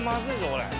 これ。